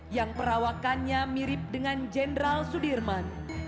yang perawakannya mirip dengan jenderal sudirman